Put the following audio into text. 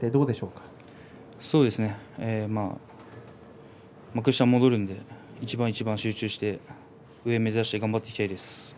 そうですね幕下に戻るので一番一番集中して上を目指して頑張っていきたいです。